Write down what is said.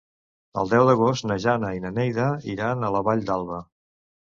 El deu d'agost na Jana i na Neida iran a la Vall d'Alba.